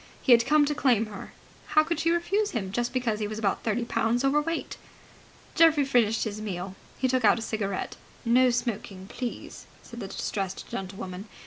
He had come to claim her. How could she refuse him just because he was about thirty pounds overweight? Geoffrey finished his meal. He took out a cigarette. ("No smoking, please!" said the distressed gentlewoman.)